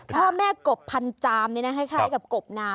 พ่อแม่กบพันจามนี่นะคล้ายกับกบนา